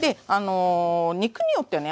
肉によってね